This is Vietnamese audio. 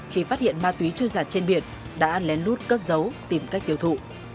khi phát hiện ma túy trôi giạt trên biển đã ăn lén lút cất dấu tìm cách tiêu thụ